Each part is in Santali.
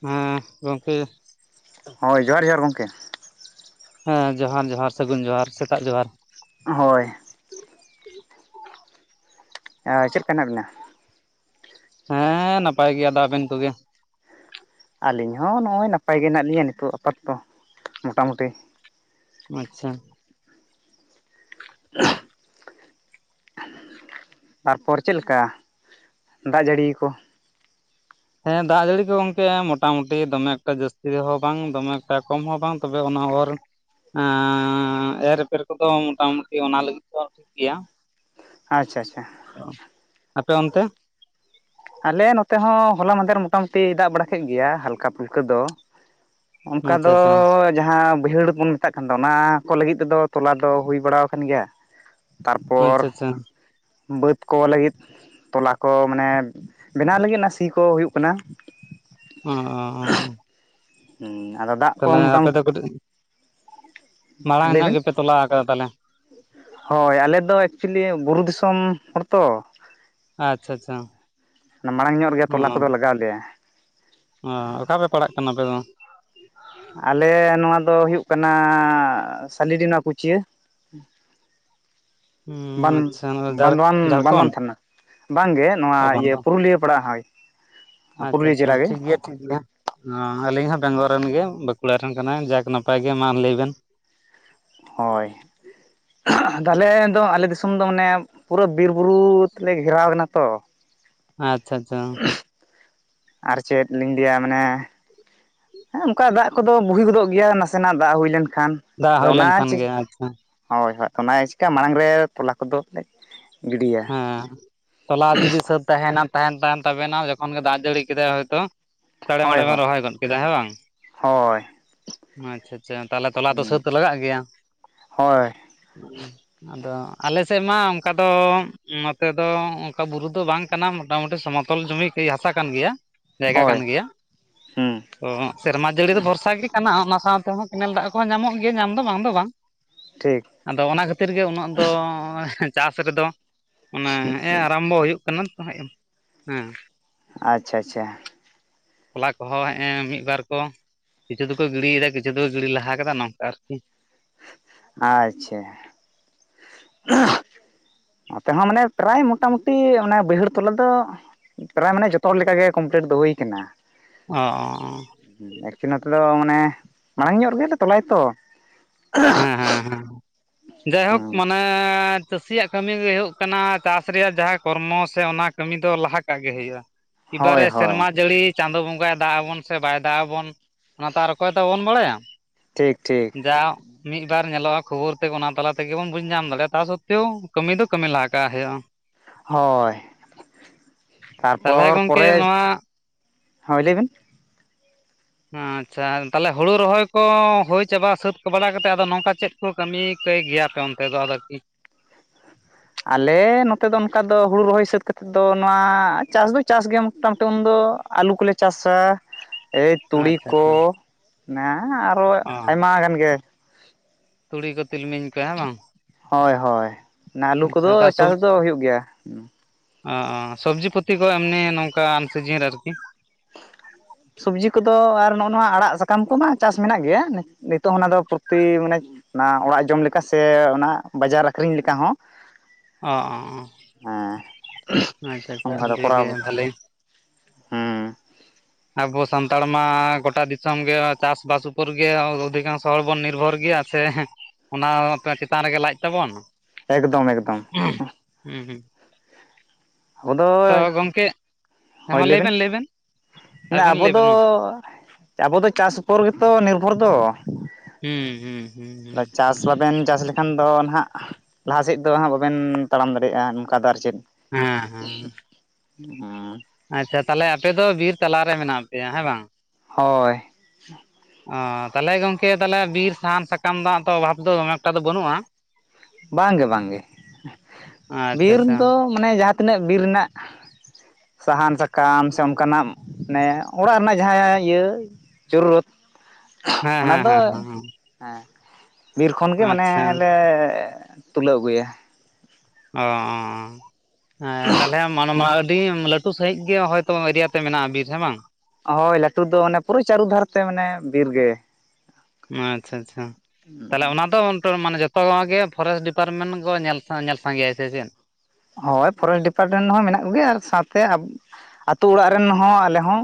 ᱦᱩᱸ ᱜᱚᱝᱠᱮ ᱦᱳᱭ ᱡᱚᱦᱟᱨ ᱡᱚᱦᱟᱨ ᱜᱚᱝᱠᱮ ᱦᱮᱸ ᱡᱚᱸᱦᱟᱨ ᱡᱚᱸᱦᱟᱨ ᱥᱟᱹᱜᱩᱱ ᱡᱚᱸᱦᱟᱨ ᱥᱮᱛᱟᱜ ᱡᱚᱸᱦᱟᱨ ᱦᱳᱭ ᱟ ᱪᱮᱫ ᱞᱮᱠᱟ ᱦᱮᱱᱟᱜ ᱵᱤᱱᱟ ᱦᱮᱸ ᱱᱟᱯᱟᱭ ᱜᱮᱭᱟ ᱞᱮ ᱟᱵᱮᱱ ᱠᱚᱜᱮ ᱟᱹᱞᱤᱧ ᱦᱚᱸ ᱱᱚᱜᱼᱚᱭ ᱱᱟᱯᱟᱭ ᱜᱮ ᱦᱮᱱᱟᱜ ᱞᱤᱧᱟᱹ ᱱᱤᱛᱚᱜ ᱟᱯᱟᱛᱚᱛᱚ ᱢᱚᱴᱟ ᱢᱩᱴᱤ ᱟᱪᱪᱷᱟ [inaudible] ᱛᱟᱨᱯᱚᱨ ᱪᱮᱫ ᱞᱮᱠᱟ ᱫᱟᱜ ᱡᱟᱹᱲᱤ ᱠᱚ ᱦᱮᱸ ᱫᱟᱜ ᱡᱟᱹᱲᱤ ᱠᱚ ᱜᱚᱝᱠᱮ ᱢᱚᱴᱟᱢᱩᱴᱤ ᱫᱚᱢᱮ ᱮᱠᱴᱟ ᱡᱟᱹᱥᱛᱤ ᱦᱚᱸ ᱵᱟᱝ ᱫᱚᱢᱮ ᱮᱠᱴᱟ ᱠᱚᱢ ᱦᱚᱸ ᱵᱟᱝ ᱛᱚᱵᱮ ᱚᱱᱟ ᱚᱨ ᱼᱼ ᱮᱻ ᱮᱨ ᱮᱯᱮᱨ ᱠᱚᱫᱚ ᱢᱚᱴᱟ ᱢᱩᱴᱤ ᱚᱱᱟ ᱞᱟᱹᱜᱤᱫ ᱫᱚ ᱴᱷᱤᱠ ᱜᱮᱭᱟ ᱟᱪᱪᱷᱟ ᱟᱪᱪᱷᱟ ᱚ ᱟᱯᱮ ᱚᱱᱛᱮ? ᱟᱞᱮ ᱱᱚᱛᱮ ᱦᱚᱸ ᱦᱚᱞᱟ ᱢᱟᱸᱫᱮᱨ ᱢᱚᱴᱟᱢᱩᱴᱤ ᱫᱟᱜ ᱵᱟᱲᱟ ᱠᱮᱫ ᱜᱮᱭᱟ ᱦᱟᱞᱠᱟ ᱯᱷᱩᱞᱠᱟᱹ ᱫᱚ ᱾ ᱚᱱᱠᱟ ᱟᱪᱪᱷᱟ ᱫᱚᱻ ᱟᱪᱪᱷᱟ ᱼᱼ ᱡᱟᱦᱟᱸ ᱵᱟᱹᱭᱦᱟᱹᱲ ᱵᱚᱱ ᱢᱮᱛᱟᱜ ᱠᱟᱱ ᱫᱚ ᱚᱱᱟ ᱠᱚ ᱞᱟᱹᱜᱤᱫ ᱛᱮᱫᱚ ᱛᱚᱞᱟ ᱫᱚ ᱦᱩᱭ ᱵᱟᱲᱟ ᱟᱠᱟᱱ ᱜᱮᱭᱟ ᱾ ᱛᱟᱨᱯᱚᱨ ᱟᱪᱪᱷᱟ ᱟᱪᱪᱷᱟ ᱵᱟᱹᱫ ᱠᱚ ᱞᱟᱹᱜᱤᱫ ᱛᱚᱞᱟ ᱠᱚ ᱢᱟᱱᱮ ᱼᱼ ᱵᱮᱱᱟᱣ ᱞᱟ. ᱜᱤᱫ ᱚᱱᱟ ᱥᱤ ᱠᱚ ᱦᱩᱭᱩᱜ ᱠᱟᱱᱟ ᱾ ᱚᱻ ᱦᱩᱸ ᱟᱫᱚ ᱫᱟᱜ ᱠᱚ ᱢᱚᱴᱟᱼᱼ ᱫᱚ ᱠᱟᱹᱴᱤᱡ ᱢᱟᱲᱟᱝ ᱞᱟᱹᱭ ᱧᱚᱜ ᱜᱮᱯᱮ ᱛᱚᱞᱟ ᱠᱟᱫᱟ ᱛᱟᱦᱚᱞᱮ? ᱦᱚᱭ ᱟᱞᱮᱫᱚ ᱮᱠᱪᱩᱭᱮᱞᱤ ᱵᱩᱨᱩ ᱫᱤᱥᱚᱢ ᱦᱚᱲ ᱛᱚ ᱾ ᱟᱪᱪᱷᱟ ᱟᱪᱪᱷᱟ ᱢᱟᱲᱟᱝ ᱧᱚᱜ ᱨᱮᱜᱮ ᱚ ᱛᱚᱞᱟ ᱠᱚᱫᱚ ᱞᱟᱜᱟᱣ ᱟᱞᱮᱭᱟ ᱾ ᱚ ᱚᱠᱟ ᱨᱮ ᱯᱟᱲᱟᱜ ᱠᱟᱱᱟ ᱟᱯᱮ ᱫᱚ? ᱟᱞᱮ ᱱᱚᱣᱟ ᱫᱚ ᱦᱩᱭᱩᱜ ᱠᱟᱱᱟ ᱥᱟᱞᱤᱰᱤᱱᱟ ᱠᱩᱪᱭᱟᱹ ᱾ ᱵᱟᱸᱫ ᱟᱪᱪᱷᱟ ᱡᱷᱟᱲ ᱵᱟᱸᱫᱣᱟᱱ ᱵᱟᱸᱫᱣᱟᱱ ᱡᱷᱟᱲᱠᱷᱚᱸᱰ ᱛᱷᱟᱱᱟ? ᱵᱟᱝᱜᱮ ᱱᱚᱣᱟ ᱵᱟᱝ ᱤᱭᱟᱹ ᱫᱚ ᱯᱩᱨᱩᱞᱤᱭᱟᱹ ᱯᱟᱲᱟᱜ-ᱟ ᱦᱚᱭ ᱾ ᱟᱪᱪᱷᱟ ᱪᱷᱟ ᱴᱷᱤᱠ ᱜᱤᱭᱟ ᱾ ᱴᱷᱤᱠ ᱜᱮᱭᱟ ᱮ ᱟᱹᱞᱤᱧ ᱦᱚᱸ ᱵᱮᱝᱜᱚᱞ ᱨᱮᱱ ᱜᱮ ᱵᱟᱸᱠᱩᱲᱟ ᱨᱮᱱ ᱠᱟᱱᱟᱭ ᱡᱟᱠ ᱱᱟᱯᱟᱭ ᱜᱮ ᱢᱟ ᱞᱟᱹᱭ ᱵᱮᱱ ᱾ ᱦᱚᱭ ᱫᱟᱞᱮ ᱫᱚ ᱟᱞᱮ ᱫᱤᱥᱚᱢ ᱫᱚ ᱢᱟᱱᱮ ᱯᱩᱨᱟᱹ ᱵᱤᱨ ᱵᱩᱨᱩ ᱛᱮᱞᱮ ᱜᱷᱮᱨᱟᱣ ᱠᱟᱱᱟ ᱛᱚ ᱾ ᱟᱪᱪᱷᱟ ᱪᱷᱟ ᱟᱨ ᱪᱮᱫ ᱞᱤᱧ ᱞᱟᱹᱭᱟ ᱢᱟᱱᱮ ᱼᱼ ᱦᱮᱸ ᱚᱱᱠᱟ ᱫᱟᱜ ᱠᱚᱫᱚ ᱵᱩᱦᱤ ᱜᱚᱫᱚᱜ ᱜᱮᱭᱟ ᱱᱟᱥᱮᱱᱟᱜ ᱫᱟᱜ ᱦᱩᱭ ᱞᱮᱱᱠᱷᱟᱱ ᱾ ᱫᱟᱜ ᱟᱫᱚ ᱦᱩᱭ ᱚᱱᱟ ᱞᱮᱱᱠᱷᱟᱱ ᱪᱤᱠ ᱜᱮ ᱟᱪᱪᱷᱟ ᱦᱳᱭ ᱦᱚ ᱚᱱᱟ ᱪᱤᱠᱟ ᱢᱟᱲᱟᱝ ᱨᱮ ᱛᱚᱞᱟ ᱠᱚᱫᱚ ᱼᱼ ᱦᱮᱸ ᱛᱚᱞᱟ ᱡᱩᱫᱤ ᱥᱟᱹᱛ ᱛᱟᱦᱮᱱᱟ ᱼᱼ ᱛᱟᱦᱮᱱ ᱛᱟᱢ ᱛᱟᱵᱮᱱᱟ ᱡᱚᱠᱷᱚᱱ ᱜᱮ ᱫᱟᱜ ᱡᱟᱹᱲᱤ ᱠᱮᱫᱟᱭ ᱦᱚᱭᱛᱚ ᱼᱼ ᱪᱟᱲᱬᱮ ᱦᱳᱭ ᱢᱟᱲᱬᱮ ᱦᱳᱭ ᱵᱮᱱ ᱨᱚᱦᱚᱭ ᱜᱚᱫ ᱠᱮᱫᱟ ᱦᱮᱸ ᱵᱟᱝ ᱦᱳᱭ ᱟᱪᱪᱷᱟ ᱟᱪᱪᱷᱟ ᱛᱟᱦᱚᱞᱮ ᱛᱚᱞᱟ ᱛᱚ ᱥᱟᱹᱛ ᱞᱟᱜᱟᱜ ᱜᱮᱭᱟ ᱾ ᱦᱳᱭ ᱟᱫᱚ ᱟᱞᱮ ᱥᱮᱫ ᱢᱟ ᱚᱱᱠᱟ ᱫᱚ ᱼᱼ ᱱᱚᱛᱮ ᱫᱚ ᱚᱱᱠᱟ ᱵᱩᱨᱩ ᱫᱚ ᱵᱟᱝ ᱠᱟᱱᱟ ᱢᱚᱴᱟ ᱢᱩᱴᱤ ᱥᱚᱢᱚᱛᱚᱞ ᱡᱩᱢᱤ ᱦᱟᱥᱟ ᱠᱟᱱ ᱜᱮᱭᱟ ᱾ ᱡᱟᱭᱜᱟ ᱦᱳᱭ ᱠᱟᱱ ᱜᱮᱭᱟ ᱦᱩᱸ ᱼᱼ ᱚ ᱥᱮᱨᱢᱟ ᱡᱟᱹᱲᱤ ᱫᱚ ᱵᱷᱚᱨᱥᱟ ᱜᱮ ᱠᱟᱱᱟ ᱚᱱᱟ ᱥᱟᱶᱛᱮ ᱦᱚᱸ ᱠᱮᱱᱮᱞ ᱫᱟᱜ ᱠᱚᱦᱚᱸ ᱧᱟᱢᱚᱜ ᱜᱮᱭᱟ ᱧᱟᱢ ᱫᱚ ᱵᱟᱝ ᱫᱚ ᱵᱟᱝ ᱴᱷᱤᱠ ᱾ ᱟᱫᱚ ᱚᱱᱟ ᱠᱷᱟᱹᱛᱤᱨ ᱜᱮ ᱩᱱᱟᱹᱜ ᱫᱚ ᱪᱟᱥ ᱨᱮᱫᱚ ᱼᱼ ᱚᱱᱟ ᱦᱮᱸᱜ-ᱮ ᱟᱨᱟᱢᱵᱚ ᱦᱩᱭᱩᱜ ᱠᱟᱱᱟ ᱛᱚ ᱦᱮᱸᱼᱼ ᱟᱪᱪᱷᱟ ᱟᱪᱪᱷᱟ ᱛᱚᱞᱟ ᱠᱚᱦᱚᱸ ᱦᱮᱸᱜ-ᱮ ᱢᱤᱫ-ᱵᱟᱨ ᱠᱚ ᱼᱼ ᱠᱤᱪᱷᱩ ᱫᱚᱠᱚ ᱜᱤᱲᱤᱭᱮᱫᱟ ᱠᱤᱪᱷᱩ ᱫᱚ ᱜᱤᱲᱤ ᱞᱟᱦᱟ ᱠᱟᱫᱟ ᱱᱚᱝᱠᱟ ᱟᱨᱠᱤ ᱼᱼ ᱟᱻᱪᱪᱷᱟ ᱱᱚᱛᱮ ᱦᱚᱸ ᱢᱟᱱᱮ ᱯᱨᱟᱭ ᱢᱚᱴᱟᱢᱩᱴᱤ ᱚᱱᱮ ᱵᱟᱹᱭᱦᱟᱹᱲ ᱛᱞᱟ ᱫᱚ ᱼᱼ ᱯᱨᱟᱭ ᱢᱟᱱᱮ ᱡᱷᱚᱛᱚ ᱦᱚᱲ ᱞᱮᱠᱟᱜᱮ ᱠᱚᱢᱯᱞᱤᱴ ᱫᱚ ᱦᱩᱭ ᱠᱟᱱᱟ ᱾ ᱚᱻ ᱮᱠᱪᱩᱭᱞᱤ ᱱᱚᱛᱮ ᱫᱚ ᱢᱟᱱᱮ ᱢᱟᱲᱟᱝ ᱧᱚᱜ ᱨᱮᱜᱮᱞᱮ ᱛᱚᱞᱟᱭ-ᱟ ᱛᱚ ᱾ ᱦᱮᱸᱻ ᱦᱮᱸᱻ ᱦᱮᱸᱻ ᱡᱟᱭᱦᱳᱠ ᱢᱟᱱᱮ ᱼᱼ ᱪᱟᱹᱥᱤᱭᱟᱜ ᱠᱟᱹᱢᱤ ᱜᱮ ᱦᱩᱭᱩᱜ ᱠᱟᱱᱟ ᱪᱟᱥ ᱨᱮᱭᱟᱜ ᱡᱟᱦᱟᱸ ᱠᱚᱨᱢᱚ ᱥᱮ ᱚᱱᱟ ᱠᱟᱹᱢᱤ ᱫᱚ ᱞᱟᱦᱟ ᱠᱟᱜ ᱜᱮ ᱦᱩᱭᱩᱜ-ᱟ ᱾ ᱤᱵᱟᱨᱮ ᱦᱳᱭ ᱨᱮ ᱦᱳᱭ ᱥᱮᱨᱢᱟ ᱡᱟᱲᱤ ᱼᱼ ᱪᱟᱸᱫᱚ ᱵᱚᱸᱜᱟᱭ ᱫᱟᱜ ᱟᱵᱚᱱ ᱥᱮ ᱵᱟᱭ ᱫᱟᱜ ᱟᱵᱚᱱ? ᱚᱱᱟ ᱛᱚ ᱟᱨ ᱚᱠᱚᱭ ᱛᱚ ᱵᱟᱵᱚᱱ ᱵᱟᱲᱟᱭᱟ ᱾ ᱴᱷᱤᱠ ᱴᱷᱤᱠ ᱡᱟ ᱢᱤᱫ ᱵᱟᱨ ᱧᱮᱞᱚᱜᱼᱟ ᱠᱷᱚᱵᱚᱨ ᱛᱮᱜ ᱚᱱᱟ ᱢᱤᱛ ᱵᱟᱨ ᱧᱮᱞᱟᱜᱟ ᱠᱷᱚᱵᱚᱨ ᱛᱟᱞᱟ ᱛᱮᱜᱮ ᱵᱚᱱ ᱵᱩᱡᱽ ᱧᱟᱢ ᱫᱟᱲᱮᱭᱟᱜᱼᱟ ᱛᱟ ᱥᱚᱛᱮᱮᱣ ᱠᱟᱹᱢᱤ ᱫᱚ ᱠᱟᱹᱢᱤ ᱞᱟᱦᱟᱟᱜ ᱦᱩᱭᱩᱜᱼᱟ᱾ ᱦᱳᱭ [unintelligible] ᱛᱟᱦᱚᱞᱮ ᱛᱟᱨᱯᱚᱨ ᱜᱚᱝᱠᱮ ᱯᱚᱨᱮ ᱱᱚᱣᱟ ᱦᱳᱭ ᱞᱟᱹᱭᱵᱮᱱ ᱟᱪᱪᱷᱟ ᱛᱟᱦᱚᱞᱮ ᱦᱩᱲᱩ ᱨᱚᱦᱚᱭ ᱠᱚ ᱦᱩᱭ ᱪᱟᱵᱟ ᱥᱟᱹᱛ ᱵᱟᱲᱟ ᱠᱟᱛᱮᱮᱫ ᱟᱫᱚ ᱱᱚᱝᱠᱟ ᱪᱮᱫ ᱠᱚ ᱠᱟᱹᱢᱤ ᱠᱟᱹᱭ ᱜᱮᱭᱟᱯᱮ ᱚᱱᱛᱮ ᱫᱚ ᱟᱫᱚ ᱠᱤ ᱾ ᱟᱞᱮ ᱱᱚᱛᱮ ᱫᱚ ᱚᱱᱠᱟ ᱫᱚ ᱦᱩᱲᱩ ᱨᱚᱦᱚᱭ ᱥᱟᱹᱛ ᱠᱟᱛᱮᱫ ᱫᱚ ᱱᱚᱣᱟ ᱪᱟᱥ ᱫᱚ ᱪᱟᱥ ᱜᱮᱭᱟ ᱢᱚᱴᱟᱢᱩᱴᱤ ᱩᱱᱫᱚ ᱟᱹᱞᱩ ᱠᱚᱞᱮ ᱪᱟᱥᱟ ᱮᱭ ᱟᱪᱪᱷᱟ ᱛᱩᱲᱤᱠᱚ ᱟᱪᱪᱷᱟ ᱚᱱᱟ ᱟᱨᱚ ᱚ ᱟᱭᱢᱟ ᱜᱟᱱ ᱜᱮ᱾ ᱛᱩᱲᱤ ᱠᱚ ᱛᱤᱞᱢᱤᱧ ᱠᱚ ᱦᱮᱸ ᱵᱟᱝ ᱦᱳᱭ ᱦᱳᱭ ᱚᱱᱟ ᱟᱹᱞᱩ ᱠᱚᱫᱚ ᱟᱪᱪᱷᱟ ᱛᱟ ᱥᱚᱵ ᱪᱟᱥ ᱫᱚ ᱦᱩᱭᱩᱜ ᱜᱮᱭᱟ᱾ ᱚ ᱥᱚᱵᱽᱡᱤ ᱯᱟᱛᱤ ᱠᱚ ᱮᱢᱱᱤ ᱱᱚᱝᱠᱟ ᱟᱢᱥᱤᱡᱤᱱᱨᱮ ᱟᱨᱠᱤ [unintelligible] ᱥᱚᱵᱽᱡᱤ ᱠᱚᱫᱚ ᱟᱨ ᱱᱚᱜᱼᱚ ᱱᱚᱣᱟ ᱟᱲᱟᱜ ᱥᱟᱠᱟᱢ ᱠᱚᱢᱟ ᱪᱟᱥ ᱢᱮᱱᱟᱜ ᱜᱮᱭᱟ ᱱᱤᱛᱚᱜ ᱚᱱᱟ ᱫᱚ ᱯᱨᱚᱛᱤ ᱢᱟᱱᱮ ᱚᱱᱟ ᱚᱲᱟᱜ ᱡᱚᱢ ᱞᱮᱠᱟ ᱥᱮ ᱚᱱᱟ ᱵᱟᱡᱟᱨ ᱟᱠᱷᱨᱤᱧ ᱞᱮᱠᱟ ᱦᱚᱸ᱾ ᱚ ᱦᱮᱸ ᱚ ᱟᱪᱪᱷᱟ ᱟᱪᱪᱷᱟ ᱚᱱᱠᱟ ᱫᱚ ᱚᱰᱤ ᱜᱮ ᱠᱚᱨᱟᱣ ᱵᱷᱷᱟᱞᱮ ᱦᱮᱸ ᱟᱵᱚ ᱥᱟᱱᱛᱟᱲ ᱢᱟ ᱜᱚᱴᱟ ᱫᱤᱥᱚᱢ ᱜᱮ ᱪᱟᱥᱵᱟᱥ ᱩᱯᱚᱨ ᱜᱮ ᱚᱫᱷᱤᱠᱟᱝᱥᱚ ᱦᱚᱲ ᱵᱚᱱ ᱱᱤᱨᱵᱷᱚᱨ ᱜᱮᱭᱟ᱾ ᱥᱮ ᱚᱱᱟ ᱪᱮᱛᱟᱱ ᱨᱮᱜᱮ ᱞᱟᱡ ᱛᱟᱵᱚᱱ ᱮᱠᱫᱚᱢ ᱮᱠᱫᱚᱢ ᱦᱩᱸ ᱦᱩᱸ ᱟᱵᱚ ᱫᱚ ᱛᱚ ᱜᱚᱢᱠᱮ [unintelligible] ᱦᱮᱸ ᱦᱳᱭ ᱢᱟ ᱞᱟᱹᱭ ᱵᱤᱱ ᱵᱮᱱ ᱞᱟᱹᱭ ᱵᱮᱱ ᱟᱵᱮᱱ ᱟᱵᱚ ᱞᱟᱹᱭ ᱵᱮᱱ ᱫᱚ ᱢᱟ ᱟᱵᱚ ᱫᱚ ᱪᱟᱥ ᱩᱯᱚᱨ ᱜᱮᱛᱚ ᱱᱤᱨᱵᱷᱚᱨ ᱫᱚ᱾ ᱦᱩᱸ ᱦᱩᱸ ᱦᱩᱸ ᱦᱩᱸ [unintelligible] ᱪᱟᱥ ᱦᱩᱸ ᱵᱟᱵᱮᱱ ᱪᱟᱥ ᱞᱮ ᱠᱷᱟᱱ ᱫᱚ ᱱᱟᱦᱟᱜ ᱞᱟᱦᱟ ᱥᱮᱫ ᱫᱚ ᱦᱟᱜ ᱵᱟᱵᱮᱱ ᱛᱟᱲᱟᱢ ᱫᱟᱲᱮᱭᱟᱜᱼᱟ ᱱᱚᱝᱠᱟ ᱫᱚ ᱟᱨ ᱪᱮᱫ᱾ ᱦᱮᱸ ᱦᱮᱸ [unintelligible] ᱟᱪᱪᱷᱟ ᱛᱟᱦᱚᱞᱮ ᱟᱯᱮ ᱫᱚ ᱵᱤᱨ ᱛᱟᱞᱟᱨᱮ ᱢᱮᱱᱟᱜ ᱯᱮᱭᱟ ᱦᱮᱸ ᱵᱟᱝ? ᱦᱳᱭ [unintelligible] ᱚᱸ ᱛᱟᱦᱚᱞᱮ ᱜᱚᱝᱠᱮ ᱛᱟᱦᱚᱞᱮ ᱵᱤᱨ ᱥᱟᱦᱟᱱ ᱥᱟᱠᱟᱢ ᱫᱚ ᱦᱟᱸᱜ ᱛᱚ ᱚᱵᱷᱟᱵ ᱫᱚ ᱫᱚᱱᱮ ᱮᱠᱴᱟ ᱫᱚ ᱵᱟᱹᱱᱩᱜᱼᱟ᱾ ᱵᱟᱝ ᱜᱮ, ᱵᱟᱝ ᱜᱮ᱾ ᱟᱪᱪᱷᱟ ᱵᱤᱨ ᱟᱪᱪᱷᱟ ᱫᱚ ᱢᱟᱱᱮ ᱡᱟᱦᱟᱸ ᱛᱤᱱᱟᱹᱜ ᱵᱤᱨ ᱨᱮᱱᱟᱜ ᱥᱟᱦᱟᱱ, ᱥᱟᱠᱟᱢ ᱥᱮ ᱚᱱᱠᱟᱱᱟᱜ ᱢᱟᱱᱮ ᱚᱲᱟᱜ ᱨᱮᱱᱟᱜ ᱡᱟᱦᱟᱸ ᱤᱭᱟᱹ ᱡᱩᱨᱨᱩᱛ᱾ ᱦᱮᱸ ᱚᱱᱟ ᱦᱮᱸ ᱫᱚ ᱦᱮᱸ ᱦᱮᱸ ᱦᱮᱸ ᱵᱤᱨ ᱠᱷᱚᱱ ᱜᱮ ᱢᱟᱱᱮ ᱟᱪᱪᱷᱟ ᱞᱮ ᱛᱩᱞᱟᱹᱣ ᱟᱹᱜᱩᱭᱟ᱾ ᱚᱻᱦᱮᱸ ᱛᱟᱦᱚᱞᱮ ᱢᱟᱱᱮ ᱢᱟ ᱟᱹᱰᱤ ᱞᱟᱹᱴᱩ᱾ ᱛᱩ ᱥᱟᱹᱦᱤᱡ ᱜᱮ ᱦᱚᱭ ᱛᱚ ᱮᱨᱤᱭᱟ ᱛᱮ ᱢᱮᱱᱟᱜᱼᱟ ᱵᱤᱨ ᱦᱮ ᱵᱟᱝ? ᱦᱳᱭ ᱞᱟᱹᱴᱩ ᱫᱚ ᱚᱱᱮ ᱯᱩᱨᱟᱹ ᱪᱟᱹᱨᱩ ᱫᱷᱟᱨ ᱛᱮ ᱢᱟᱱᱮ ᱵᱤᱨ ᱜᱮ᱾ ᱟᱸᱪᱼᱪᱷᱟ ᱟᱪᱷᱟ ᱛᱟᱦᱚᱞᱮ ᱚᱱᱟ ᱫᱚ ᱴᱚᱨ ᱢᱟᱱᱮ ᱡᱚᱛᱚ [inaudible] ᱜᱮ ᱯᱷᱚᱨᱮᱥ ᱰᱤᱯᱟᱨᱢᱮᱱ ᱜᱚ ᱧᱮᱞ ᱧᱮᱞ ᱥᱟᱸᱜᱮᱟᱭᱟ ᱥᱮ ᱪᱮᱫ? ᱦᱳᱭ ᱯᱷᱚᱨᱮᱥ ᱰᱤᱯᱟᱨᱴᱮᱱ ᱦᱚᱸ ᱢᱮᱱᱟᱜ ᱠᱚᱜᱮ ᱟᱨ ᱥᱟᱶᱛᱮ ᱟᱵ ᱟᱛᱳ ᱟᱚᱲᱟᱜ ᱨᱮᱱ ᱦᱚᱸ, ᱟᱞᱮ ᱦᱚᱸ᱾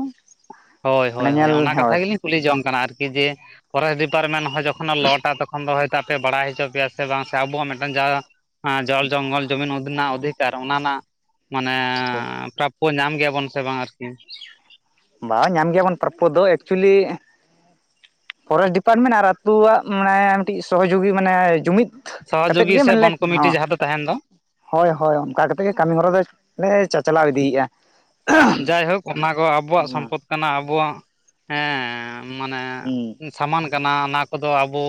ᱦᱳᱭ ᱢᱟᱱᱮ ᱦᱳᱭ ᱦᱳᱭ ᱧᱮᱞ ᱚᱱᱟ ᱠᱟᱛᱷᱟ ᱜᱮᱞᱤᱧ ᱠᱩᱞᱤ ᱡᱚᱝ ᱠᱟᱱᱟ ᱟᱨᱠᱤ ᱡᱮ ᱯᱷᱚᱨᱮᱥ ᱰᱤᱯᱟᱨᱢᱮᱱ ᱦᱚᱸ ᱡᱚᱠᱷᱚᱱᱮ ᱞᱚᱴᱟ ᱛᱚᱠᱷᱚᱱ ᱫᱚ ᱦᱚᱭᱛᱳ ᱟᱯᱮ ᱵᱟᱲᱟᱭ ᱦᱚᱪᱚ ᱯᱮᱭᱟ ᱥᱮ ᱵᱟᱝ ᱥᱮ ᱟᱵᱚ ᱦᱚᱸ ᱢᱮᱜᱴᱮᱱ ᱡᱟ ᱦᱮᱸ ᱡᱚᱞ ᱡᱚᱝᱜᱚᱞ ᱡᱚᱢᱤᱱ ᱩᱫ ᱮᱱᱟᱜ ᱚᱫᱷᱤᱠᱟᱨ ᱚᱱᱟ ᱨᱮᱱᱟᱜ ᱢᱟᱱᱮᱻ ᱯᱨᱚᱯ ᱠᱚ ᱧᱟᱢ ᱜᱮᱭᱟᱵᱚᱱ ᱥᱮ ᱵᱟᱝ ᱟᱨᱠᱤ? ᱵᱟ ᱧᱟᱢ ᱜᱮᱭᱟᱵᱚᱱ ᱯᱚᱨᱯᱷᱚ ᱫᱚ ᱮᱠᱪᱩᱭᱞᱤ ᱯᱷᱚᱨᱮᱥᱴ ᱰᱤᱯᱟᱨᱢᱮᱱ ᱟᱨ ᱟᱹᱛᱩᱣᱟᱜ ᱢᱟᱱᱮ ᱢᱤᱴᱤᱡ ᱥᱚᱦᱚᱡᱳᱜᱤ ᱢᱟᱱᱮ ᱡᱩᱢᱤᱫ᱾ ᱠᱟᱛᱮᱫ ᱥᱚᱦᱚᱡᱩᱜᱤ ᱜᱮ ᱥᱮ ᱢᱟᱱᱮ ᱵᱚᱱ ᱦᱚᱸ ᱠᱚᱢᱤᱴᱤ ᱡᱟᱦᱟᱸ ᱫᱚ ᱛᱟᱦᱮᱱ ᱫᱚ᱾ ᱦᱳᱭ ᱦᱳᱭ ᱚᱱᱠᱟ ᱠᱟᱛᱮ ᱜᱮ ᱠᱟᱹᱢᱤ ᱦᱚᱨᱟ ᱫᱚ ᱱᱮᱭ ᱪᱟᱼᱪᱟᱞᱟᱣ ᱤᱫᱤᱭᱮᱼᱟ᱾ ᱡᱟᱭᱦᱳᱠ ᱚᱱᱟ ᱠᱚ ᱟᱵᱚᱣᱟᱜ ᱥᱚᱢᱯᱚᱫ ᱠᱟᱱᱟ, ᱟᱵᱚᱣᱟᱜ ᱦᱮᱸ᱾ ᱢᱟᱱᱮ ᱦᱩᱸ ᱥᱟᱢᱟᱱ ᱠᱟᱱᱟ, ᱚᱱᱟ ᱠᱚᱫᱚ ᱟᱵᱚ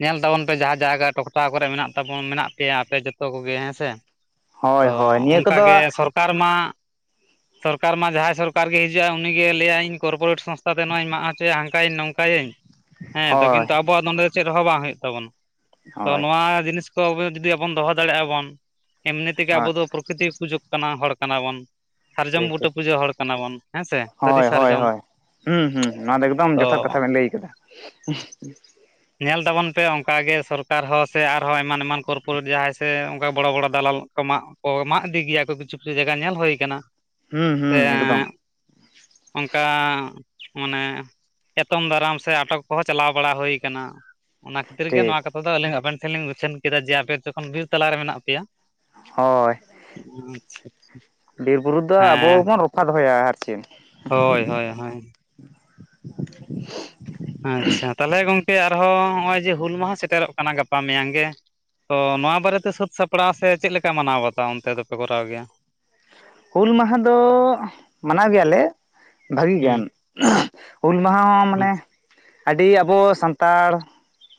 ᱧᱮᱞ ᱛᱟᱵᱚᱱ ᱯᱮ ᱡᱟᱦᱟᱸ ᱡᱟᱭᱜᱟ ᱴᱚᱴᱷᱟ ᱠᱚᱨᱮ ᱢᱮᱱᱟᱜ ᱛᱟᱵᱚᱱ ᱢᱮᱱᱟᱜ ᱯᱮᱭᱟ ᱟᱯᱮ ᱡᱚᱛᱚ ᱠᱚᱜᱮ ᱦᱮᱸ ᱥᱮ᱾ ᱦᱳᱭ ᱚ ᱦᱳᱭ ᱱᱤᱭᱟᱹ ᱚᱝᱠᱟ ᱠᱚᱫᱚ ᱜᱮ ᱥᱚᱨᱠᱟᱨ ᱢᱟ ᱥᱚᱨᱠᱟᱨ ᱢᱟ ᱡᱟᱦᱟᱸᱭ ᱥᱚᱨᱠᱟᱨ ᱜᱮ ᱦᱤᱡᱩᱜᱼᱟ ᱩᱱᱤᱜᱮ ᱞᱟᱹᱭᱟᱭ ᱤᱧ ᱠᱚᱨᱯᱚᱨᱚᱴ ᱥᱚᱝᱚᱛᱟ ᱛᱮ ᱱᱚᱣᱟᱧ ᱢᱟᱜ ᱦᱚᱪᱚᱭᱟ ᱦᱟᱝᱠᱟᱭᱤᱧ ᱱᱚᱝᱠᱟᱭᱟᱹᱧ᱾ ᱦᱮᱸᱛᱚ ᱦᱳᱭ ᱠᱤᱱᱛᱩ ᱟᱵᱚᱣᱟᱜ ᱫᱚ ᱱᱚᱰᱮ ᱫᱚ ᱪᱮᱫᱦᱚᱸ ᱵᱟᱝ ᱦᱩᱭᱩᱜ ᱛᱟᱵᱚᱱᱟ, ᱛᱚ ᱦᱳᱭ ᱱᱚᱣᱟ ᱡᱤᱱᱤᱥ ᱛᱚ ᱵᱮ ᱡᱩᱫᱤ ᱟᱵᱚᱱ ᱫᱚᱦᱚ ᱫᱟᱲᱮᱜᱼᱟ ᱵᱚᱱ ᱮᱢᱱᱤ ᱛᱮᱜᱮ ᱦᱳᱭ ᱟᱵᱚ ᱫᱚ ᱯᱨᱚᱠᱨᱤᱛᱤ ᱯᱩᱡᱟᱹ ᱠᱟᱱᱟ ᱦᱚᱲ ᱠᱟᱱᱟ ᱵᱚᱱ᱾ ᱥᱟᱨᱡᱚᱢ ᱵᱩᱴᱟᱹ ᱯᱩᱡᱟᱹ ᱦᱚᱲ ᱠᱟᱱᱟ ᱵᱚᱱ ᱦᱮᱸ ᱥᱮ᱾ ᱦᱚᱭ, ᱦᱚᱭ, ᱦᱚᱭ, ᱦᱩᱸ, ᱦᱩᱸ, ᱱᱚᱶᱟ ᱫᱚ ᱮᱠᱫᱚᱢ ᱛᱚ ᱡᱚᱛᱷᱟᱛ ᱠᱟᱛᱷᱟ ᱵᱮᱱ ᱞᱟᱹᱭ ᱠᱟᱫᱟ᱾ ᱧᱮᱞ ᱛᱟᱵᱚᱱ ᱯᱮ ᱚᱝᱠᱟ ᱜᱮ ᱥᱚᱨᱠᱟᱨ ᱦᱚᱸ ᱥᱮ ᱟᱨᱦᱚᱸ ᱮᱢᱟᱱ ᱮᱢᱟᱱ ᱠᱚᱨᱯᱚᱨᱮᱴ ᱡᱟᱦᱟᱸᱭ ᱥᱮ ᱚᱝᱠᱟ ᱵᱚᱲᱚ ᱵᱚᱲᱚ ᱫᱟᱞᱟᱞ ᱠᱚ ᱢᱟᱜᱽ ᱠᱚ ᱢᱟᱜᱽ ᱤᱫᱤ ᱜᱮᱭᱟ ᱠᱚ ᱠᱤᱪᱷᱩ [inaudible] ᱡᱟᱭᱜᱟ ᱧᱮᱞ ᱦᱳᱭ ᱠᱟᱱᱟ᱾ ᱦᱩᱸ ᱦᱩᱸ ᱮᱠᱫᱚᱢ ᱥᱮᱸᱜ ᱚᱝᱠᱟ ᱢᱟᱱᱮ ᱮᱛᱚᱢ ᱫᱟᱨᱟᱢ ᱥᱮ ᱟᱴᱚᱠ ᱠᱚᱦᱚᱸ ᱪᱟᱞᱟᱣ ᱵᱟᱲᱟ ᱦᱳᱭ ᱠᱟᱱᱟ᱾ ᱚᱱᱟ ᱠᱷᱟᱹᱛᱤᱨ ᱜᱮ ᱴᱷᱤᱠ ᱱᱚᱣᱟ ᱠᱟᱛᱷᱟ ᱫᱚ ᱟᱹᱞᱤᱧ ᱟᱵᱮᱱ ᱴᱷᱮᱱ ᱞᱤᱧ ᱩᱪᱷᱟᱹᱱ ᱠᱮᱫᱟ ᱡᱮ ᱟᱯᱮ ᱡᱚᱠᱷᱚᱱ ᱵᱤᱨ ᱛᱟᱞᱟ ᱨᱮ ᱢᱮᱱᱟᱜ ᱯᱮᱭᱟ᱾ ᱟᱪᱪᱷᱟ᱾ ᱵᱤᱨᱼᱵᱩᱨᱩ ᱫᱚ ᱟᱵᱚ ᱵᱚᱱ ᱨᱚᱠᱠᱷᱟ ᱫᱚᱦᱚᱭᱟ ᱟᱨ ᱪᱮᱫ᱾ ᱦᱚᱭ ᱦᱚᱸᱭ ᱦᱚᱸᱭ᱾ ᱟᱸᱪᱪᱷᱟ ᱛᱟᱦᱚᱞᱮ ᱜᱚᱝᱠᱮ ᱟᱨᱦᱚᱸ ᱦᱚᱜᱼᱚᱭ ᱡᱮ ᱦᱩᱞ ᱢᱟᱦᱟ ᱥᱮᱴᱮᱨᱚᱜ ᱠᱟᱱᱟ ᱜᱟᱯᱟ ᱢᱮᱭᱟᱝ ᱜᱮ᱾ ᱛᱚ ᱱᱚᱣᱟ ᱵᱟᱨᱮ ᱛᱮ ᱥᱟᱹᱛ ᱥᱟᱯᱲᱟᱣ ᱥᱮ ᱪᱮᱜ ᱞᱮᱠᱟ ᱢᱟᱱᱟᱣ ᱵᱟᱛᱟᱣ ᱚᱱᱛᱮ ᱫᱚᱯᱮ ᱠᱚᱨᱟᱣ ᱜᱮᱭᱟ᱾ ᱦᱩᱞ ᱢᱟᱦᱟ ᱫᱚ ᱢᱟᱱᱟᱣ ᱜᱮᱭᱟᱞᱮ ᱵᱷᱟᱹᱜᱤ ᱦᱩᱸ ᱜᱮᱭᱟᱱ᱾ ᱦᱩᱞ ᱢᱟᱦᱟ ᱦᱚᱸ ᱢᱟᱱᱮ ᱟᱹᱰᱤ ᱟᱵᱚ ᱥᱟᱱᱛᱟᱲ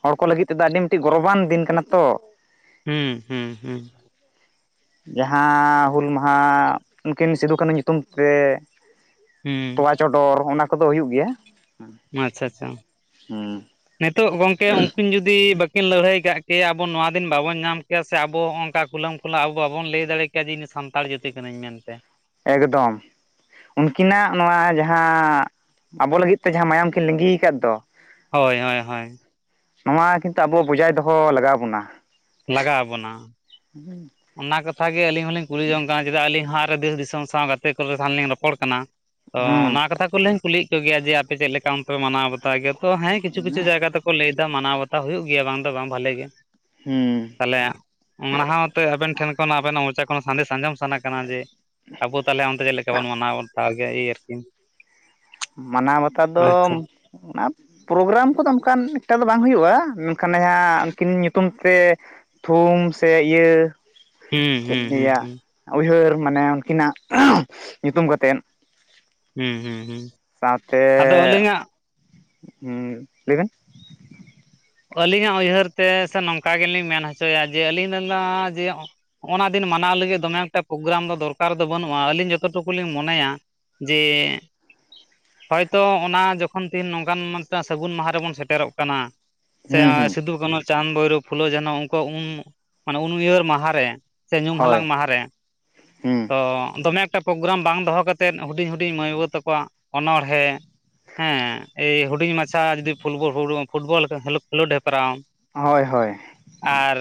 ᱦᱚᱲ ᱠᱚ ᱞᱟᱹᱜᱤᱫ ᱛᱮᱫᱚ ᱟᱹᱰᱤ ᱢᱤᱫᱴᱤᱡ ᱜᱚᱨᱚᱵᱟᱱ ᱫᱤᱱ ᱠᱟᱱᱟ ᱛᱚ᱾ ᱦᱩᱸ ᱦᱩᱸ ᱦᱩᱸ᱾ ᱡᱟᱦᱟᱸ ᱦᱩᱞ ᱢᱟᱦᱟ ᱩᱱᱠᱤᱱ ᱥᱤᱫᱩ ᱠᱟᱹᱱᱩ ᱧᱩᱛᱩᱢ ᱛᱮ ᱛᱚᱣᱟ ᱦᱩᱸ ᱪᱚᱰᱚᱨ ᱚᱱᱟ ᱠᱚᱫᱚ ᱦᱩᱭᱩᱜ ᱜᱮᱭᱟ᱾ ᱢᱟᱸᱼᱪᱷᱟ ᱪᱷᱟ, ᱦᱩᱸ ᱱᱤᱛᱚᱜ ᱜᱚᱝᱠᱮ ᱩᱝᱠᱤᱱ ᱡᱩᱫᱤ ᱵᱟᱹ ᱠᱤᱱ ᱞᱟᱹᱲᱦᱟᱹᱭ ᱠᱟᱜ ᱠᱮᱭᱟ ᱟᱵᱚ ᱱᱚᱣᱟ ᱠᱤᱱ ᱵᱟᱵᱚᱱ ᱧᱟᱢ ᱠᱮᱭᱟ ᱥᱮ ᱟᱵᱚ ᱦᱚᱸ ᱚᱝᱠᱟ ᱠᱷᱩᱞᱟᱹᱢ ᱠᱷᱚᱞᱟ ᱟᱵᱚ ᱵᱟᱵᱚᱱ ᱞᱟᱹᱭ ᱫᱟᱲᱮ ᱠᱮ ᱡᱤᱱᱤ ᱥᱟᱱᱛᱟᱲ ᱡᱟᱹᱛᱤ ᱠᱟᱹᱱᱟᱹᱧ ᱢᱮᱱᱛᱮ᱾ ᱮᱜᱮᱫᱚᱢ᱾ ᱩᱱᱠᱤᱱᱟᱜ ᱱᱚᱣᱟ ᱡᱟᱦᱟᱸ ᱟᱵᱚ ᱞᱟᱹᱜᱤᱫ ᱛᱮ ᱡᱟᱦᱟᱸ ᱢᱟᱭᱟᱢ ᱠᱤᱱ ᱞᱤᱸᱜᱤᱭ ᱠᱟᱫ ᱫᱚ᱾ ᱦᱚᱭ - ᱦᱚᱭ - ᱦᱚᱭ ᱱᱚᱣᱟ ᱠᱤᱱᱛᱩ ᱟᱵᱚ ᱵᱚᱡᱟᱭ ᱫᱚᱦᱚ ᱞᱟᱜᱟᱣ ᱵᱚᱱᱟ᱾ ᱞᱟᱜᱟᱣ ᱟᱵᱚᱱᱟ᱾ [inaudible] ᱚᱱᱟ ᱠᱟᱛᱷᱟ ᱜᱮ ᱟᱹᱞᱤᱧ ᱦᱚᱞᱤᱧ ᱠᱩᱞᱤ ᱡᱚᱝ ᱠᱟᱱᱟ, ᱪᱮᱫᱟᱜ ᱟᱹᱞᱤᱧ ᱦᱟᱸᱜ ᱨᱮ ᱫᱮᱥ ᱫᱤᱥᱚᱢ ᱥᱟᱶ ᱜᱟᱛᱮ ᱠᱚᱨᱮ ᱥᱟᱶ ᱞᱤᱧ ᱨᱚᱯᱚᱲ ᱠᱟᱱᱟ᱾ ᱛᱚ ᱦᱩᱸ ᱚᱱᱟ ᱠᱟᱛᱷᱟ ᱠᱚᱞᱤᱧ ᱠᱩᱞᱤᱼᱤᱡ ᱠᱚᱜᱮᱭᱟ᱾ ᱡᱮ ᱟᱯᱮ ᱪᱮᱫ ᱞᱮᱠᱟ ᱚᱱᱛᱮᱯᱮ ᱢᱟᱱᱟᱣ ᱵᱟᱛᱟᱣ ᱜᱮᱭᱟ ᱛᱚ ᱦᱮᱸ ᱠᱤᱪᱷᱩ - ᱠᱤᱪᱷᱩ ᱡᱟᱭᱜᱟ ᱫᱚᱠᱚ ᱞᱟᱹᱭᱫᱟ᱾ ᱢᱟᱱᱟᱣ ᱵᱟᱛᱟᱣ ᱦᱩᱭᱩᱜ ᱜᱮᱭᱟ ᱵᱟᱝ ᱫᱚ ᱵᱟᱝ ᱵᱷᱟᱞᱮ ᱜᱮ ᱦᱩᱸ᱾ ᱛᱟᱞᱦᱮ ᱚᱸᱲᱦᱟᱜᱴᱣ ᱟᱛᱮ ᱟᱵᱮᱱ ᱴᱷᱮᱱ ᱠᱷᱚᱱ ᱟᱵᱮᱱᱟᱜ ᱢᱚᱪᱟ ᱠᱷᱚᱱ ᱥᱟᱸᱫᱮᱥ ᱥᱟᱸᱡᱚᱢ ᱥᱟᱱᱟ ᱠᱟᱱᱟ ᱡᱮ ᱟᱵᱚ ᱛᱟᱞᱦᱮ ᱚᱱᱛᱮ ᱪᱮᱫ ᱞᱮᱠᱟ ᱵᱚᱱ ᱢᱟᱱᱟᱣ ᱵᱟᱛᱟᱣ ᱜᱮ ᱮᱸᱻ. ᱨᱠᱤ ᱢᱟᱱᱟᱣ ᱵᱟᱛᱟᱣ ᱫᱚᱢ ᱟᱫ ᱚᱱᱟ ᱯᱨᱳᱜᱨᱟᱢ ᱠᱚᱫᱚ ᱚᱝᱠᱟᱱ ᱮᱠᱴᱟ ᱫᱚ ᱵᱟᱝ ᱦᱩᱭᱩᱜ-ᱟ᱾ ᱢᱮᱱᱠᱷᱟᱱ ᱱᱮᱭᱟ ᱩᱱᱠᱤᱱ ᱧᱩᱛᱩᱢ ᱛᱮ ᱛᱷᱩᱢ ᱥᱮ ᱤᱭᱟᱹ ᱦᱩᱸ ᱪᱮᱫ ᱦᱩᱸ ᱦᱩᱸ ᱞᱮᱭᱟ ᱦᱩᱸ ᱩᱭᱦᱟᱹᱨ ᱢᱟᱱᱮ ᱩᱱᱠᱤᱱᱟᱼᱜ ᱧᱩᱛᱩᱢ ᱜᱟᱛᱮᱫ ᱦᱩᱸ- ᱦᱩᱸ- ᱦᱩᱸ ᱥᱟᱶᱛᱮ ᱟᱫᱚ ᱟᱹᱞᱤᱧᱟᱜ ᱦᱩᱸ ᱞᱟᱹᱭᱵᱮᱱ ᱟᱹᱞᱤᱧᱟᱜ ᱩᱭᱦᱟᱹᱨ ᱛᱮ ᱥᱮ ᱱᱚᱝᱠᱟ ᱜᱮᱞᱤᱧ ᱢᱮᱱ ᱦᱚᱪᱚᱭᱟ᱾ ᱡᱮ ᱟᱹᱞᱤᱧ ᱫᱚ ᱱᱟᱜ ᱡᱮ ᱚᱱᱟ ᱫᱤᱱ ᱢᱟᱱᱟᱣ ᱞᱟᱹᱜᱤᱫ ᱫᱚᱢᱮ ᱮᱠᱴᱟ ᱯᱳᱜᱽᱨᱟᱢ ᱫᱚ ᱫᱚᱨᱠᱟᱨ ᱫᱚ ᱵᱟᱹᱱᱩᱜ-ᱟ᱾ ᱟᱹᱞᱤᱧ ᱡᱚᱛᱚ ᱴᱩᱠᱩ ᱞᱤᱧ ᱢᱚᱱᱮᱭᱟ ᱡᱮ ᱦᱚᱭᱛᱚ ᱚᱱᱟ ᱡᱚᱠᱷᱚᱱ ᱫᱤᱱ ᱱᱚᱝᱠᱟᱱ ᱢᱤᱫᱴᱟᱹ ᱥᱟᱹᱜᱩᱱ ᱢᱟᱦᱟ ᱨᱮᱵᱚᱱ ᱥᱮᱴᱮᱨᱚᱜ ᱠᱟᱱᱟ᱾ ᱥᱮ ᱦᱩᱸ ᱼᱟ ᱦᱩᱸ ᱥᱤᱫᱩ ᱠᱟᱹᱱᱩ, ᱪᱟᱸᱫᱽ ᱵᱷᱳᱭᱨᱳᱯ, ᱯᱷᱩᱞᱟᱹ ᱡᱷᱟᱱᱚ ᱩᱝᱠᱩᱣᱼᱟᱜ ᱩᱱ ᱢᱟᱱᱮ ᱩᱱ ᱩᱭᱦᱟᱹᱨ ᱢᱟᱦᱟ ᱨᱮ ᱥᱮ ᱧᱩᱢ ᱦᱟᱞᱟᱝ ᱦᱳᱭ ᱢᱟᱦᱟ ᱨᱮ, ᱦᱩᱸ ᱛᱚ ᱫᱚᱢᱮ ᱯᱳᱜᱽᱨᱟᱢ ᱵᱟᱝ ᱫᱚᱦᱚ ᱠᱟᱛᱮᱫ ᱦᱩᱰᱤᱧ - ᱦᱩᱰᱤᱧ ᱢᱟᱹᱭ ᱵᱟᱹᱵᱩ ᱛᱟᱠᱚᱣᱟᱜ ᱚᱱᱚᱬᱦᱮᱸ ᱦᱮᱸ ᱮᱭ ᱦᱩᱰᱤᱧ ᱢᱟᱪᱷᱟ ᱡᱩᱫᱤ ᱯᱷᱩᱞᱵᱚ [inaudible] ᱯᱷᱩᱴᱵᱚᱞ [inaudible] ᱠᱷᱮᱞᱳᱰ ᱦᱮᱯᱨᱟᱣ ᱦᱚᱭ ᱦᱚᱭ ᱟᱨ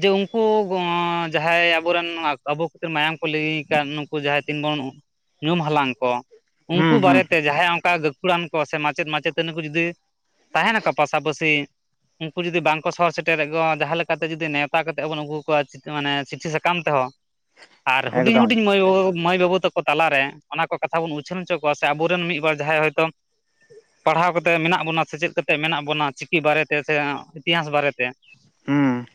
ᱡᱮ ᱩᱱᱠᱩ [inaudible] ᱡᱟᱦᱟᱸᱭ ᱟᱵᱚᱨᱮᱱ, ᱟᱵᱚ ᱠᱷᱟᱹᱛᱤᱨ ᱢᱟᱭᱟᱢ ᱠᱚ ᱞᱤᱸᱜᱤ ᱠᱟᱫ ᱱᱩᱠᱩ ᱡᱟᱦᱟᱸᱭ ᱛᱤᱱ ᱵᱚᱱ ᱧᱩᱢ ᱦᱟᱞᱟᱝ ᱠᱚ ᱦᱩᱸ ᱩᱱᱠᱩ ᱦᱩᱸ ᱵᱟᱨᱮᱛᱮ ᱡᱟᱦᱟᱸᱭ ᱚᱱᱠᱟ ᱜᱟᱹᱠᱷᱩᱲᱟᱱ ᱠᱚ ᱥᱮ ᱢᱟᱪᱮᱫ, ᱢᱟᱪᱮᱛᱟᱱᱤ, ᱠᱚ ᱡᱩᱫᱤ ᱛᱟᱦᱮᱱᱟ ᱠᱚ ᱥᱟᱵᱟᱹᱥᱤ-ᱼ ᱩᱱᱠᱩ ᱡᱩᱫᱤ ᱵᱟᱝᱠᱚ ᱥᱚᱦᱚᱨ ᱥᱮᱴᱮᱨᱮᱫ ᱜᱚ ᱡᱟᱦᱟ ᱞᱮᱠᱟᱛᱮ ᱡᱩᱫᱤ ᱱᱮᱣᱛᱟ ᱠᱟᱛᱮᱫ ᱵᱚᱱ ᱟᱹᱜᱩ ᱠᱚᱣᱟ ᱢᱟᱱᱮ ᱪᱤᱴᱷᱤ ᱥᱟᱠᱟᱢ ᱛᱮ ᱦᱚᱸ ᱟᱨ ᱦᱩᱰᱤᱧ ᱮᱠᱫᱚᱢ ᱦᱩᱰᱤᱧ ᱢᱟᱹᱭ ᱵᱟ ᱢᱟᱹᱭ ᱵᱟᱹᱵᱩ ᱛᱟᱠᱚ ᱛᱟᱞᱟᱨᱮ, ᱚᱱᱟ ᱠᱚ ᱠᱟᱛᱷᱟ ᱵᱚᱱ ᱩᱪᱷᱟᱹᱱ ᱪᱚ ᱠᱚᱣᱟ ᱥᱮ, ᱟᱵᱚᱨᱮᱱ ᱢᱤᱫ ᱵᱟᱨ ᱡᱟᱦᱟᱸᱭ ᱦᱚᱭᱛᱳ ᱯᱟᱲᱦᱟᱣ ᱠᱟᱛᱮ ᱢᱮᱱᱟᱜ ᱵᱚᱱᱟ, ᱥᱮᱪᱮᱫ ᱠᱟᱛᱮ ᱢᱮᱱᱟᱜ ᱵᱚᱱᱟ᱾ ᱪᱤᱠᱤ ᱵᱟᱨᱮ ᱛᱮ ᱥᱮ ᱤᱛᱤᱦᱟᱥ ᱵᱟᱨᱮ ᱛᱮ ᱦᱩᱸ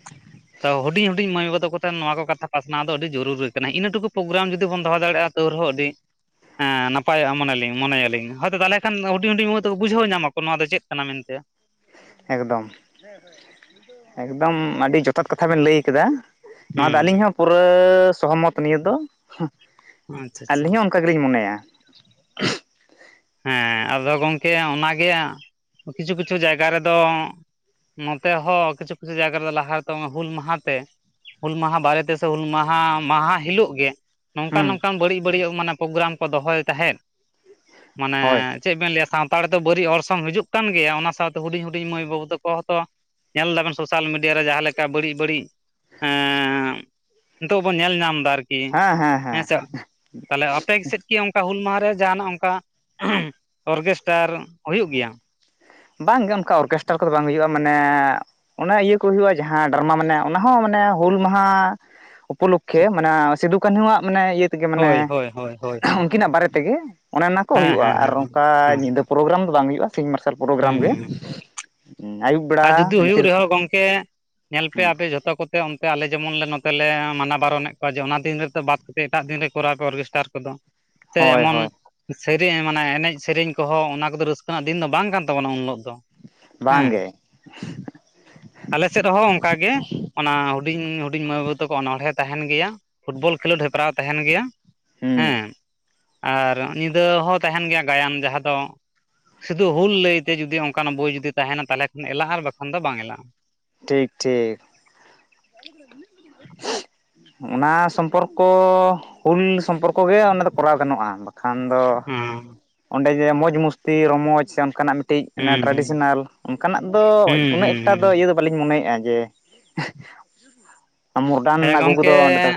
ᱛᱚ ᱦᱩᱰᱤᱧ - ᱦᱩᱰᱤᱧ ᱢᱟᱹᱭ ᱵᱟᱵᱩ ᱛ ᱛᱚ ᱱᱚᱣᱟ ᱠᱚ ᱠᱟᱛᱷᱟ ᱯᱟᱥᱱᱟᱣ ᱫᱚ ᱟᱹᱰᱤ ᱡᱚᱨᱩᱨᱤ ᱠᱟᱱᱟ᱾ ᱤᱱᱟᱹ ᱴᱩᱠᱩ ᱯᱳᱜᱨᱟᱢ ᱡᱩᱫᱤ ᱵᱚᱱ ᱫᱚᱦᱚ ᱫᱟᱲᱮᱭᱟᱜᱼᱟ, ᱛᱳᱣ ᱨᱮᱦᱚᱸ ᱟᱹᱰᱤ ᱦᱮᱸ ᱱᱟᱯᱟᱭᱚᱜᱼᱟ ᱢᱚᱱᱮ ᱞᱤᱟᱹᱧ ᱢᱚᱱᱮᱭᱟᱞᱤᱧ ᱦᱚᱭᱛᱳ ᱛᱟᱦᱞᱮ ᱠᱷᱟᱱ, ᱦᱩᱰᱤᱧ - ᱦᱩᱰᱤᱧ ᱛᱟᱠᱚ ᱵᱩᱡᱷᱟᱹᱣ ᱧᱟᱢ ᱟᱠᱚ ᱱᱚᱣᱟ ᱫᱚ ᱪᱮᱫ ᱠᱟᱱᱟ ᱢᱮᱱ ᱛᱮ᱾ ᱮᱠᱫᱚᱢ - ᱮᱠᱫᱚᱢ ᱟᱹᱰᱤ ᱡᱚᱛᱷᱟᱛ ᱠᱟᱛᱷᱟ ᱵᱮᱱ ᱞᱟᱹᱭ ᱠᱟᱫᱟ᱾ ᱱᱚᱣᱟ ᱫᱚ ᱦᱩᱸ ᱟᱹᱞᱤᱧ ᱦᱚᱸ ᱯᱩᱨᱟᱹ ᱥᱚᱦᱚᱢᱚᱛ ᱱᱤᱭᱟᱹ ᱫᱚ ᱟᱪᱪᱷᱟ ᱟᱪᱪᱷᱟ ᱟᱹᱞᱤᱧ ᱦᱚᱸ ᱚᱱᱠᱟ ᱜᱮᱞᱤᱧ ᱢᱚᱱᱮᱭᱟ᱾ ᱦᱮᱸ ᱟᱫᱚ ᱜᱚᱝᱠᱮ ᱚᱱᱟᱜᱮ ᱠᱤᱪᱷᱩ - ᱠᱤᱪᱷᱩ ᱡᱟᱭᱜᱟ ᱨᱮ ᱫᱚ ᱱᱚᱛᱮ ᱦᱚᱸ ᱠᱤᱪᱷᱩ ᱠᱤᱪᱷᱩ ᱡᱟᱭᱜᱟ ᱨᱮ ᱫᱚ ᱞᱟᱦᱟ ᱨᱮᱛᱚ ᱦᱩᱞ ᱢᱟᱦᱟ ᱛᱮ ᱦᱩᱞ ᱢᱟᱦᱟ ᱵᱟᱨᱮ ᱛᱮ ᱥᱮ ᱦᱩᱞ ᱢᱟᱦᱟ ᱢᱟᱦᱟ ᱦᱤᱞᱳᱜ ᱜᱮ ᱱᱚᱝᱠᱟᱱ - ᱦᱩᱸ ᱱᱚᱝᱠᱟᱱ ᱵᱟᱹᱲᱤᱡ ᱵᱟᱹᱲᱤᱡᱟᱜ ᱢᱟᱱᱮ ᱯᱳᱜᱨᱟᱢ ᱠᱚ ᱫᱚᱦᱚᱭ ᱛᱟᱦᱮᱸᱫ ᱢᱟᱱᱮ ᱦᱳᱭ ᱪᱮᱫ ᱵᱮᱱ ᱞᱟᱹᱭᱟ ᱥᱟᱶᱛᱟ ᱨᱮ ᱫᱚ ᱵᱟᱹᱲᱤᱡ ᱚᱨᱥᱚᱝ ᱦᱤᱡᱩᱜ ᱠᱟᱱ ᱜᱮᱭᱟ᱾ ᱚᱱᱟ ᱥᱟᱶᱛᱮ ᱦᱩᱰᱤᱧ - ᱦᱩᱰᱤᱧ ᱢᱟᱹᱭ ᱵᱟᱹᱵᱩ ᱛᱟᱠᱚ ᱦᱚᱸ ᱛᱚ ᱧᱮᱞ ᱫᱟᱵᱮᱱ ᱥᱳᱥᱟᱞ ᱢᱤᱰᱤᱭᱟ ᱨᱮ ᱡᱟᱸᱦᱟ ᱞᱮᱠᱟ ᱵᱟᱹᱲᱤᱡ ᱵᱟᱹᱲᱤᱡ ᱮᱸ [inaudible] ᱱᱤᱛᱚᱜ ᱵᱚᱱ ᱧᱮᱞ ᱧᱟᱢ ᱫᱟ ᱟᱨ ᱠᱤ ᱦᱮᱸ ᱦᱮᱸ ᱦᱮᱸ ᱦᱮᱸᱥᱮ ᱛᱟᱦᱞᱮ ᱟᱯᱮ ᱥᱮᱫ ᱠᱤ ᱚᱱᱠᱟ ᱦᱩᱞ ᱢᱟᱦᱟᱨᱮ ᱡᱟᱦᱟᱱᱟᱜ ᱚᱱᱠᱟ᱾ ᱚᱦᱩᱺ ᱚᱨᱜᱮᱥᱴᱟᱨ ᱦᱩᱭᱩᱜ ᱜᱮᱭᱟ? ᱵᱟᱝᱜᱮ ᱚᱱᱠᱟ ᱚᱨᱜᱮᱥᱴᱟᱨ ᱠᱚ ᱫᱚ ᱵᱟᱝ ᱦᱩᱭᱩᱜᱼᱟ ᱢᱟᱱᱮ ᱚᱱᱟ ᱤᱭᱟᱹ ᱠᱚ ᱦᱩᱭᱩᱜᱼᱟ ᱡᱟᱸᱦᱟ ᱰᱟᱨᱢᱟ ᱢᱟᱱᱮ ᱚᱱᱟ ᱦᱚᱸ ᱢᱟᱱᱮ ᱦᱩᱞ ᱢᱟᱦᱟ ᱴᱷᱤᱠ ᱩᱯᱚᱞᱚᱠᱠᱷᱮ ᱢᱟᱱᱟ ᱥᱤᱫᱩ ᱠᱟᱹᱱᱦᱩᱣᱟᱜ ᱢᱟᱱᱮ ᱤᱭᱟᱹ ᱛᱮᱜᱮ ᱦᱳᱭ ᱢᱟᱱᱮ ᱦᱳᱭ ᱦᱳᱭ ᱦᱳᱭ ᱦᱳᱭ ᱩᱱᱠᱤᱱᱟᱜ ᱵᱟᱨᱮ ᱛᱮ ᱜᱮ ᱚᱱᱮ ᱚᱱᱟ ᱠᱚ ᱦᱮᱸ ᱦᱩᱭᱩᱜᱼᱟ ᱦᱮᱸ ᱟᱨ ᱦᱮᱸ ᱚᱝᱠᱟ ᱧᱤᱫᱟᱹ ᱦᱮᱸ ᱯᱨᱳᱜᱨᱟᱢ ᱫᱚ ᱵᱟᱝ ᱦᱩᱭᱩᱜᱼᱟ ᱥᱤᱧ ᱢᱟᱨᱥᱟᱞ ᱦᱩᱸ ᱯᱨᱳᱜᱨᱟᱢ ᱜᱮ ᱦᱩᱸ ᱩ ᱟᱭᱩᱵ ᱵᱮ ᱟᱨ ᱡᱩᱫᱤ ᱦᱩᱭᱩᱜ ᱨᱮᱦᱚᱸ ᱜᱚᱢᱠᱮ ᱧᱮᱞ ᱯᱮ ᱦᱩᱸ ᱟᱯᱮ ᱡᱷᱚᱛᱚ ᱠᱚ ᱚᱱᱛᱮ ᱚᱱᱛᱮ ᱟᱞᱮ ᱡᱮᱢᱚᱱ ᱞᱮ ᱱᱚᱛᱮ ᱞᱮ ᱢᱟᱱᱟ ᱵᱟᱨᱚᱱᱮᱜ ᱠᱚᱣᱟ ᱡᱮ ᱚᱱᱟ ᱫᱤᱱ ᱨᱮ ᱫᱚ ᱵᱟᱫ ᱠᱟᱛᱮ ᱮᱴᱟᱜ ᱫᱤᱱ ᱨᱮ ᱠᱚᱨᱟᱣ ᱯᱮ ᱚᱨᱜᱮᱥᱴᱟᱨ ᱠᱚ ᱫᱚ ᱥᱮ ᱦᱳᱭ ᱮᱢᱚᱱ ᱦᱳᱭ ᱥᱮᱨᱤ ᱢᱟᱱᱮ ᱮᱱᱮᱡ ᱥᱮᱨᱮᱧ ᱠᱚᱦᱚᱸ ᱚᱱᱟ ᱠᱚᱫᱚ ᱨᱟᱹᱥᱠᱟᱹ ᱨᱮᱱᱟᱜ ᱫᱤᱱ ᱫᱚ ᱵᱟᱝ ᱠᱟᱱ ᱛᱟᱵᱚᱱᱟ ᱩᱱ ᱦᱤᱞᱳᱜ ᱫᱚ ᱵᱟᱝ ᱦᱮᱸ ᱜᱮ ᱟᱞᱮ ᱥᱮᱫ ᱦᱚ ᱚᱝᱠᱟ ᱜᱮ ᱚᱱᱟ ᱦᱩᱰᱤᱧ ᱦᱩᱰᱤᱧ ᱢᱟᱹᱭ ᱵᱟᱹᱵᱩ ᱛᱟ ᱠᱚ ᱚᱱᱚᱬᱦᱮᱸ ᱛᱟᱦᱮᱱ ᱜᱮᱭᱟ ᱯᱷᱩᱴᱵᱚᱞ ᱠᱷᱮᱞᱳᱰ ᱦᱮᱯᱨᱟᱣ ᱛᱟᱦᱮᱱ ᱜᱮᱭᱟ ᱦᱩᱸ ᱦᱮᱸ ᱟᱨ ᱧᱤᱫᱟᱹ ᱦᱚᱸ ᱛᱟᱦᱮᱱ ᱜᱮᱭᱟ ᱜᱟᱭᱟᱱ ᱡᱟᱸᱦᱟ ᱫᱚ ᱥᱩᱫᱷᱩ ᱦᱩᱞ ᱞᱟᱹᱭᱛᱮ ᱡᱩᱫᱤ ᱚᱱᱠᱟᱱᱟ ᱵᱳᱭ ᱡᱩᱫᱤ ᱛᱟᱦᱮᱱᱟ ᱛᱟᱦᱚᱞᱮ ᱠᱷᱟᱱ ᱮᱞᱟᱜᱼᱟ ᱟᱨ ᱵᱟᱠᱷᱟᱱ ᱫᱚ ᱵᱟᱝ ᱮᱞᱟᱜᱼᱟ ᱴᱷᱤᱠ ᱴᱷᱤᱠ [inaudible] ᱚᱱᱟ ᱥᱚᱢᱯᱚᱨᱠᱚ ᱦᱩᱞ ᱥᱚᱢᱯᱚᱨᱠᱚ ᱜᱮ ᱚᱱᱟ ᱫᱚ ᱠᱚᱨᱟᱣ ᱜᱟᱱᱚᱜᱼᱟ ᱵᱟ ᱠᱷᱟᱱ ᱫᱚ ᱦᱮᱸ ᱚᱸᱰᱮ ᱡᱮ ᱢᱚᱡᱽ ᱢᱚᱥᱛᱤ ᱨᱚᱢᱚᱡᱽ ᱥᱮ ᱚᱱᱠᱟᱱᱟᱜ ᱢᱤᱫ ᱴᱤᱡ ᱚᱱᱟ ᱦᱩᱸ ᱦᱩᱸ ᱴᱨᱟᱰᱤᱥᱚᱱᱟᱞ ᱚᱱᱠᱟᱱᱟᱜ ᱫᱚ ᱦᱩᱸ ᱩᱱᱟᱹᱜ ᱦᱩᱸ ᱮᱠᱴᱟ ᱦᱩᱸ ᱫᱚ ᱤᱭᱟᱹ ᱫᱚ ᱵᱟᱹᱞᱤᱧ ᱢᱚᱱᱮᱭᱼᱟ ᱡᱮ ᱦᱮᱸ ᱢᱚᱰᱟᱨᱱ ᱟᱹᱜᱩ ᱠᱚᱫᱚ ᱜᱚᱢᱠᱮ ᱚᱸᱰᱮ ᱫᱚ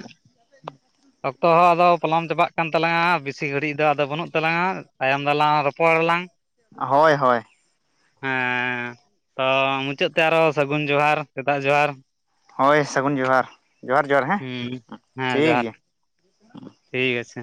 ᱚᱠᱛᱚ ᱦᱚᱸ ᱟᱫᱚ ᱯᱚᱞᱚᱢ ᱪᱟᱵᱟᱜ ᱠᱟᱱ ᱛᱟᱞᱟᱝ-ᱟ ᱵᱮᱥᱤ ᱜᱷᱟᱹᱲᱤᱡ ᱫᱚ ᱟᱫᱚ ᱵᱟᱹᱱᱩᱜ ᱛᱟᱞᱟᱝ-ᱟ ᱛᱟᱭᱚᱢ ᱫᱟᱞᱟᱝ ᱨᱚᱯᱚᱲᱟᱞᱟᱝ ᱦᱚᱭ ᱦᱚᱭ ᱦᱮᱸ ᱛᱚ ᱢᱩᱪᱟᱹᱫ ᱛᱮ ᱟᱨᱚ ᱥᱟᱹᱜᱩᱱ ᱡᱚᱦᱟᱨ ᱥᱮᱛᱟᱜ ᱡᱚᱦᱟᱨ ᱦᱚᱭ ᱥᱟᱹᱜᱩᱱ ᱡᱚᱦᱟᱨ, ᱡᱚᱦᱟᱨ ᱡᱚᱦᱟᱨ ᱦᱮᱸ ᱦᱩᱸ ᱦᱮᱸ ᱴᱷᱤᱠ ᱡᱚᱦᱟᱨ ᱜᱮᱭᱟ ᱴᱷᱤᱠ ᱟᱪᱷᱮ